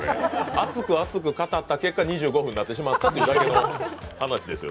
熱く熱く語った結果、２５分になってしまったというだけの話ですよ。